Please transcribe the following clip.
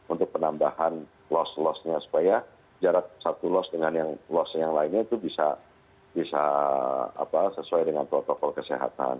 untuk penambahan los losnya supaya jarak satu los dengan yang los yang lainnya itu bisa sesuai dengan protokol kesehatan